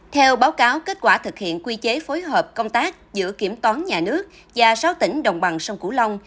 theo báo cáo kết quả thực hiện quy chế phối hợp công tác giữa kiểm toán nhà nước và sáu tỉnh đồng bằng sông cửu long